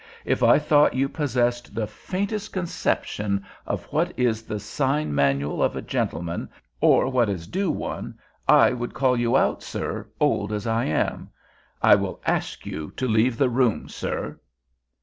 If I thought you possessed the faintest conception of what is the sign manual of a gentleman, or what is due one, I would call you out, sir, old as I am. I will ask you to leave the room, sir."